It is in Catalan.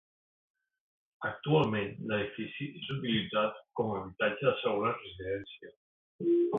Actualment l'edifici és utilitzat com a habitatge de segona residència.